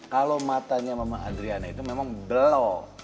kalau matanya mama adriana itu memang belok